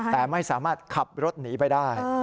แต่ไม่สามารถขับรถหนีไปได้